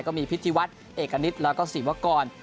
ก็มีพิธีวัฒน์เอกณิตแล้วก็ศิวกร